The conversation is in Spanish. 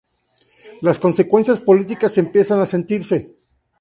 Las consecuencias políticas empiezan a sentirse.